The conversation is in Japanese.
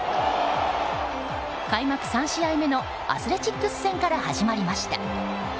開幕３試合目のアスレチックス戦から始まりました。